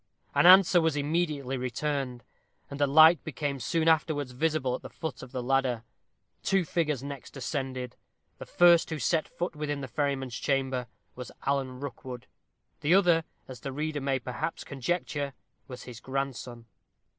An answer was immediately returned, and a light became soon afterwards visible at the foot of the ladder. Two figures next ascended; the first who set foot within the ferryman's chamber was Alan Rookwood: the other, as the reader may perhaps conjecture, was his grandson.